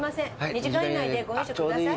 「２時間以内でご飲食下さい」